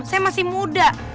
saya masih muda